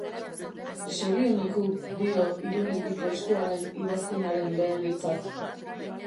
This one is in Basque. Sorioneku dio Irulegiko Eskuaren idazkunaren lehen hitzak.